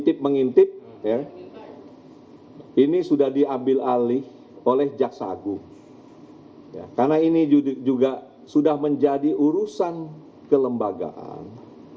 jampitsus kejagung febri ardiansya menyebut saat ini kasus penguntitan ditangani langsung jaksa agung